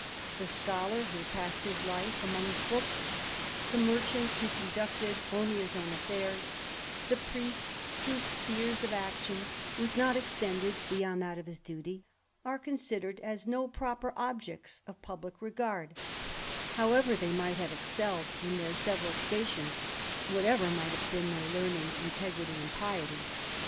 The scholar who passed his life among his books, the merchant who conducted only his own affairs, the priest, whose sphere of action was not extended beyond that of his duly, are considered as no proper objects of pubhck regard, however they might have excelled in their several stations, whatever might have been their learning, integrity, and piety.